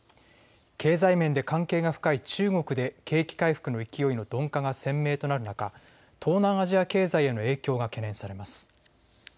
経済面で関係が深い中国で景気回復の勢いの鈍化が鮮明となる中、東南アジア経済への影響が懸念されます。